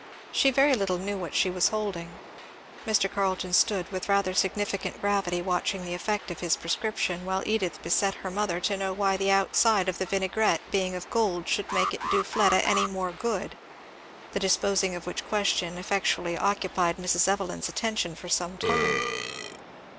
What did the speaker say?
She very little knew what she was holding. Mr. Carleton stood with rather significant gravity watching the effect of his prescription, while Edith beset her mother to know why the outside of the vinaigrette being of gold should make it do Fleda any more good; the disposing of which question effectually occupied Mrs. Evelyn's attention for some time.